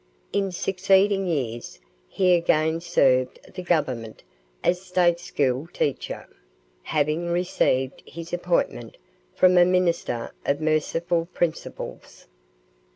In succeeding years he again served the Government as State school teacher, having received his appointment from a minister of merciful principles.